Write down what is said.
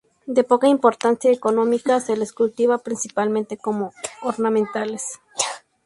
De poca importancia económica, se las cultiva principalmente como ornamentales.